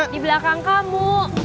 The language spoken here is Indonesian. di belakang kamu